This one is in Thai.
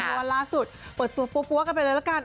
วันล่าสุดเปิดตัวปั้วกันไปเลยแล้วกัน